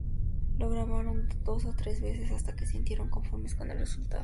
La grabaron dos o tres veces hasta que se sintieron conformes con el resultado.